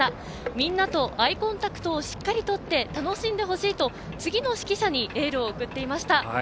みんなとアイコンタクトをしっかりとって楽しんでほしいと、次の指揮者にエールを送っていました。